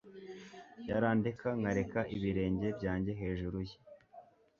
yarandeka nkareka ibirenge byanjye hejuru ye